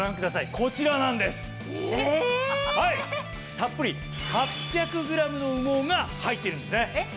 たっぷり８００ｇの羽毛が入ってるんですね。